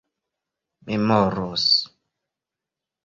memoros